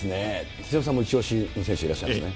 手嶋さんも一押しの選手いらっしゃるんですね。